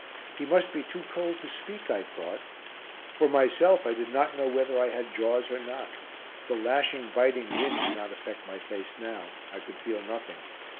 He must be too cold to speak, I thought. For myself, I did not know whether I had jaws or not. The lashing, biting wind did not affect my face now. I could feel nothing.